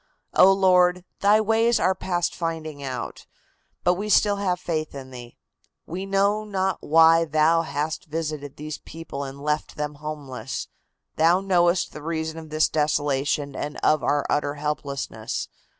"Oh, Lord, Thy ways are past finding out, but we still have faith in Thee. We know not why Thou hast visited these people and left them homeless. Thou knowest the reason of this desolation and of our utter helplessness.